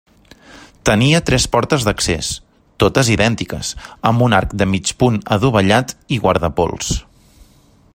Tenia tres portes d’accés, totes idèntiques, amb un arc de mig punt adovellat i guardapols.